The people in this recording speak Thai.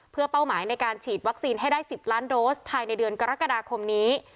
เพื่อเป้าหมายในการฉีดวัคซีนให้ได้๑๐ล้านโดสภายในเดือนกรกฎาคมนี้